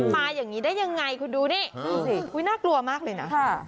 มาอย่างนี้ได้ยังไงคุณดูนี่ดูสิน่ากลัวมากเลยนะ